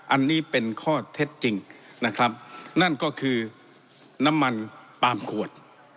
อันนี้เป็นข้อเท็จจริงนะครับนั่นก็คือน้ำมันปาล์มขวด